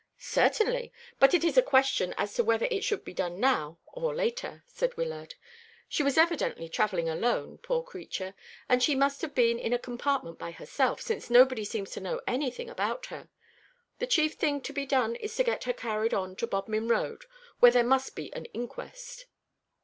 "Certainly; but it is a question as to whether it should be done now or later," said Wyllard. "She was evidently travelling alone, poor creature, and she must have been in a compartment by herself, since nobody seems to know anything about her. The chief thing to be done is to get her carried on to Bodmin Road, where there must be an inquest."